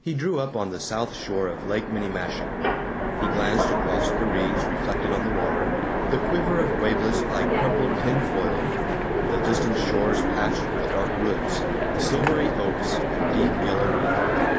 He drew up on the south shore of Lake Minniemashie. He glanced across the reeds reflected on the water, the quiver of wavelets like crumpled tinfoil, the distant shores patched with dark woods, silvery oats and deep yellow wheat.